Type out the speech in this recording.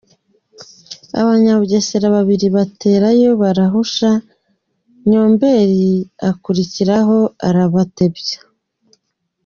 Abanyabugesera babiri, baterayo barahusha, Nyombeli akurikiraho arabatebya.